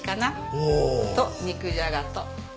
おお！と肉じゃがと。